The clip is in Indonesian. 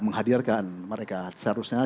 menghadirkan mereka seharusnya